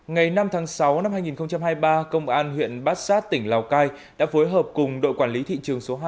ngày năm tháng sáu năm hai nghìn hai mươi ba công an huyện bát sát tỉnh lào cai đã phối hợp cùng đội quản lý thị trường số hai